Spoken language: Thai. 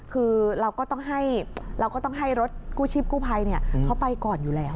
คือเราก็ต้องให้รถกู้ชีพกู้ภัยเขาไปก่อนอยู่แล้ว